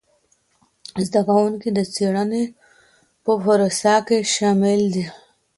زده کوونکي د څېړنې په پروسه کي شامل دي.